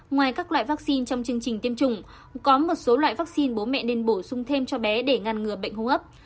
ngoài các loại vaccine trong chương trình tiêm chủng có một số loại vaccine bố mẹ nên bổ sung thêm cho bé để ngăn ngừa bệnh hô hấp